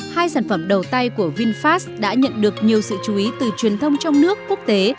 hai sản phẩm đầu tay của vinfast đã nhận được nhiều sự chú ý từ truyền thông trong nước quốc tế